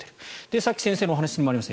さっき先生のお話にもありました